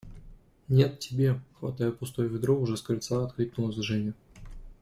– Нет, тебе! – хватая пустое ведро, уже с крыльца откликнулась Женя.